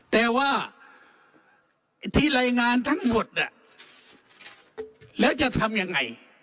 แต่ว่าไอ้ที่รายงานทั้งหมดแล้วจะทำยังไง